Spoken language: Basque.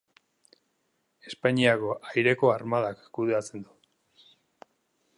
Espainiako Aireko Armadak kudeatzen du.